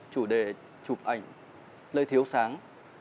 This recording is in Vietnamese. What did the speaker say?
chủ đề chụp ảnh nơi thiếu sáng